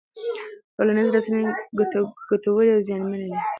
ټولنیزې رسنۍ ګټورې او زیانمنې دي.